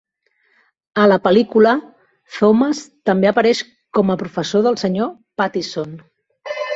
A la pel·lícula Thomas també apareix com a professor del Sr. Pattison.